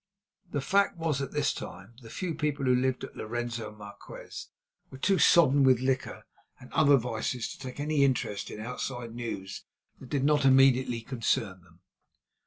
The fact was at this time the few people who lived at Lorenzo Marquez were too sodden with liquor and other vices to take any interest in outside news that did not immediately concern them.